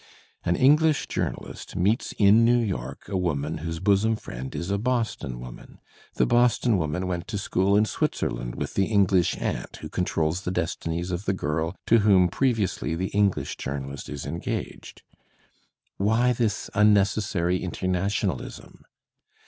An English journalist meets in New York a woman whose bosom friend is a Boston woman. The Boston woman went to school in Switzerland with the EngUsh aunt who controls the destinies of the girl to whom previously the Enghsh joumaUst is engaged. Why this unnecessary internationalism?